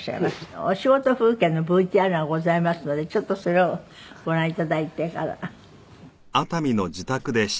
お仕事風景のＶＴＲがございますのでちょっとそれをご覧頂いてから。